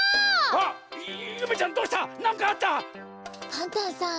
パンタンさん。